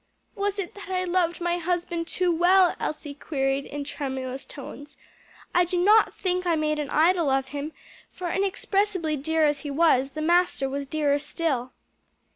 "Was it that I loved my husband too well?" Elsie queried in tremulous tones. "I do not think I made an idol of him; for inexpressibly dear as he was, the Master was dearer still."